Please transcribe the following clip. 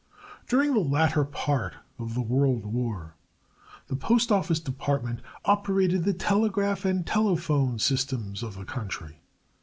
During the latter part of the World War the Postoffice Department operated the telegraph and telephone systems of the country.